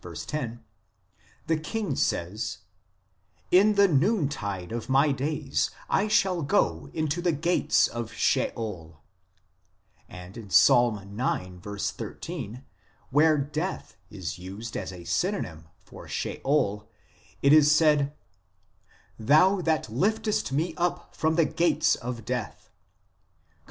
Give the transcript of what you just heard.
10) the king says : "In the noontide of my days I shall go into the gates of Sheol," and in Ps. ix. 13 (14 in Hebr.), where Death is used as a synonym for Sheol, it is said :" Thou that liftest me up from the gates of death," cp.